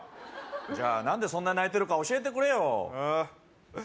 じゃあ何でそんな泣いてるか教えてくれよえっ？